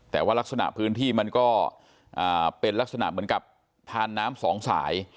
แต่ว่ารักษณะพื้นที่มันก็เป็นลักษณะเหมือนกับทานน้ำสองสาย